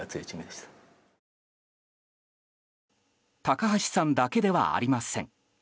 高橋さんだけではありません。